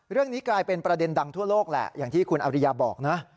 เรื่องนี้กลายเป็นประเด็นดังทั่วโลกแหละอย่างที่คุณอริยาบอกนะ